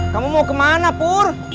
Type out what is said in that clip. kamu mau ke mana pur